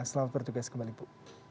selamat bertugas kembali bu